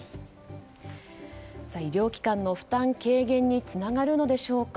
医療機関の負担軽減につながるのでしょうか。